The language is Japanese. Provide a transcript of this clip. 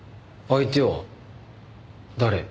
相手は誰？